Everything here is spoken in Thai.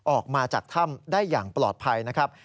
ออกมาจากถ้ำได้อย่างปลอดภัยนะครับ